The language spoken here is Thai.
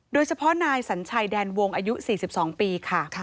โดยเฉพาะนายสัญชัยแดนวงอายุ๔๒ปีค่ะ